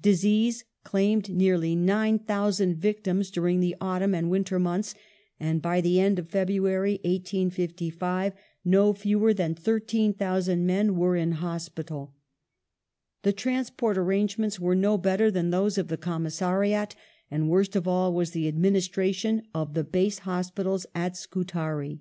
Disease claimed nearly 9,000 victims during the autumn and winter months, and by the end of February, 1855, no fewer than 13,000 men were in hospital. The transport an angements were no better than those of the commissariat, and worst of all was the ad ministration of the base hospitals at Scutari.